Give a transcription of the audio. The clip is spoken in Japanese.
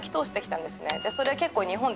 それ結構。